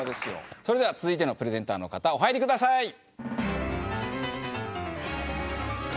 それでは続いてのプレゼンターの方お入りください。来た！